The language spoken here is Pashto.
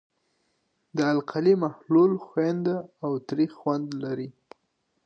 د القلي محلول ښوینده او تریخ خوند لري.